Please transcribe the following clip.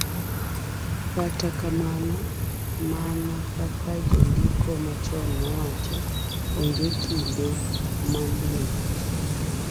Kata kamano, mana kaka jondiko machon nowacho, onge kinde ma lum